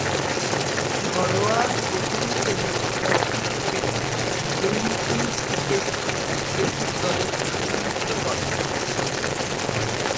ঘরোয়া প্রথম-শ্রেণীর শ্রীলঙ্কান ক্রিকেটে ব্লুমফিল্ড ক্রিকেট ও অ্যাথলেটিক দলের প্রতিনিধিত্ব করেন।